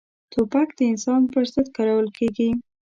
توپک د انسان پر ضد کارول کېږي.